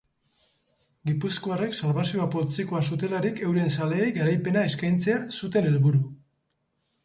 Gipuzkoarrek salbazio poltsikoan zutelarik euren zaleei garaipena eskaintzea zuten helburu.